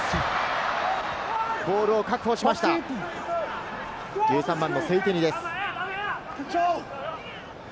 ボールを確保しました、１３番のセウテニです。